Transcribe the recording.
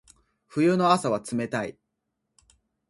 冬の朝は冷たい。